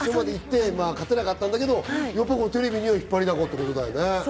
勝てなかったんだけど、やっぱりテレビには引っ張りだこということだよね。